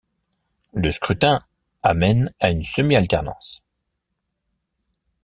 Le scrutin amène à une semi-Alternance.